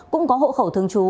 cũng có hộ khẩu thương chú